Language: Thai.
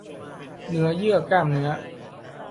เนื้อเยื่อกล้ามเนื้อ